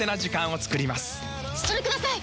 それください！